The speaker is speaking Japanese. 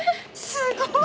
すごい！